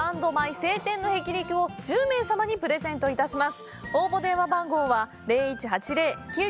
「青天の霹靂」を１０名様にプレゼントいたします。